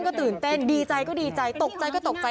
เพื่อนบ้านเจ้าหน้าที่อำรวจกู้ภัย